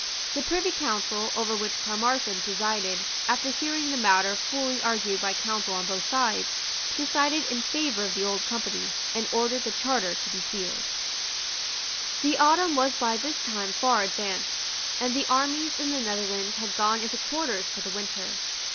The Privy Council, over which Caermarthen presided, after hearing the matter fully argued by counsel on both sides, decided in favour of the Old Company, and ordered the Charter to be sealed. The autumn was by this time far advanced, and the armies in the Netherlands had gone into quarters for the winter.